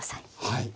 はい。